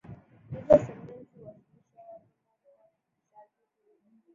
Hizo sentensi huwasilisha wazo moja kwa kishazi huru.